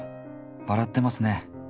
笑ってますネ。